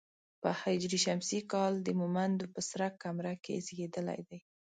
په هـ ش کال د مومندو په سره کمره کې زېږېدلی دی.